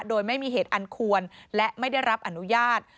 โดยไม่มีเหตุอันควรและไม่ได้รับอนุญาต